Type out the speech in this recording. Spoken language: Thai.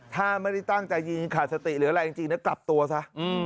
ถ้าไม่ได้ตั้งใจยิงขาดสติหรืออะไรจริงกลับตัวซะ